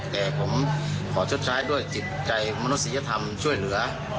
แต่ผมขอชดใช้ด้วยจิตใจมนุษยธรรมช่วยเหลือ